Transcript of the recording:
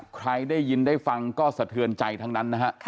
ใครได้ยินได้ฟังก็สะเทือนใจทั้งนั้นนะฮะ